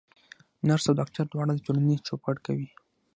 نرس او ډاکټر دواړه د ټولني چوپړ کوي.